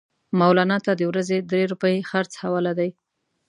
مولنا ته د ورځې درې روپۍ خرڅ حواله دي.